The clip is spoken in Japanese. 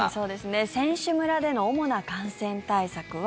選手村での主な感染対策は。